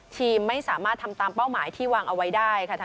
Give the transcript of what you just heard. ไม่สามารถทำตามเป้าหมายที่วางเอาไว้ได้ค่ะ